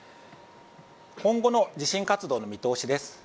今後の地震活動の見通しです。